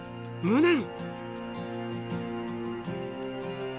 無念。